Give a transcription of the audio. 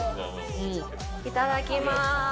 いただきます。